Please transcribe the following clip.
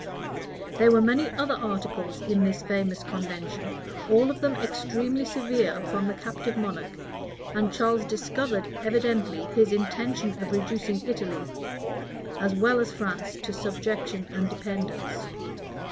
There were many other articles in this famous convention, all of them extremely severe upon the captive monarch; and Charles discovered evidently his intention of reducing Italy, as well as France, to subjection and dependence.